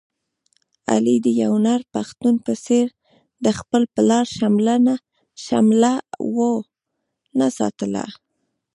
علي د یو نر پښتون په څېر د خپل پلار شمله و نه ساتله.